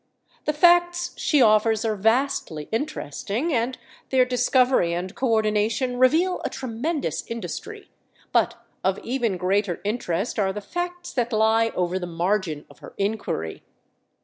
The facts she offers are vastly interesting, and their discovery and coördination reveal a tremendous industry, but of even greater interest are the facts that lie over the margin of her inquiry.